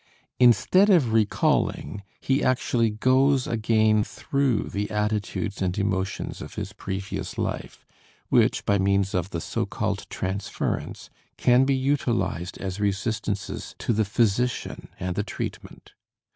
Instead of recalling, he actually goes again through the attitudes and emotions of his previous life which, by means of the so called "transference," can be utilized as resistances to the physician and the treatment.